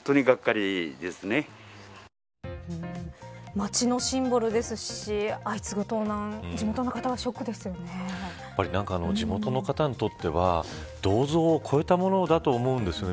町のシンボルですし相次ぐ盗難地元の方にとっては銅像を超えたものだと思うんですよね。